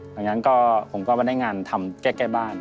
ดังนั้นผมก็มาได้งานทำใกล้ใกล้บ้าน